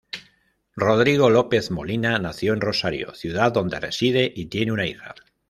Rodrigo López Molina nació en Rosario, ciudad donde reside y tiene una hija.